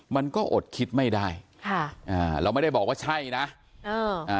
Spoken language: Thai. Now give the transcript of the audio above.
มันก็อดคิดไม่ได้ค่ะอ่าเราไม่ได้บอกว่าใช่นะเอออ่า